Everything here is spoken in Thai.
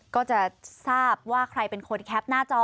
ก็จะทราบว่าใครเป็นคนแคปหน้าจอ